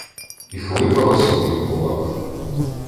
І хлипала собі в кулак.